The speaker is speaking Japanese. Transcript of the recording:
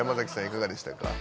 いかがでしたか？